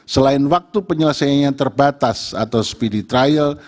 selain waktu penyelesaiannya terbatas atau speedy trial